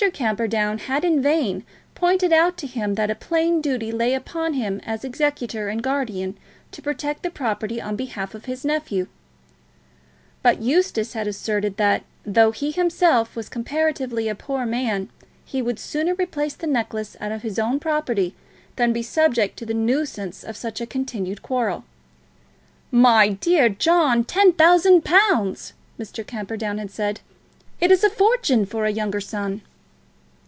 Camperdown had in vain pointed out to him that a plain duty lay upon him as executor and guardian to protect the property on behalf of his nephew; but Eustace had asserted that, though he himself was comparatively a poor man, he would sooner replace the necklace out of his own property, than be subject to the nuisance of such a continued quarrel. "My dear John; ten thousand pounds!" Mr. Camperdown had said. "It is a fortune for a younger son."